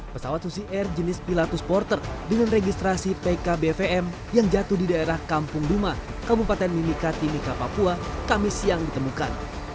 pesawat susi air jenis pilatus porter dengan registrasi pkbvm yang jatuh di daerah kampung duma kabupaten mimika timika papua kami siang ditemukan